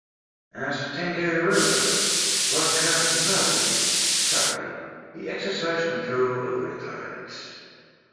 As Tangaroa-whakamau-tai he exercises control over the tides.